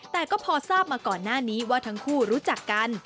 แต่ก็พอทราบมาก่อนหน้านี้ว่าทั้งคู่รู้จักกัน